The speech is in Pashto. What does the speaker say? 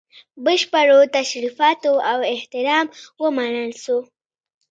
بشپړو تشریفاتو او احترام ومنل سو.